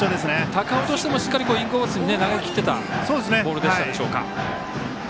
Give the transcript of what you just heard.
高尾としてもインコースにしっかり投げきっていたボールでしたでしょうか。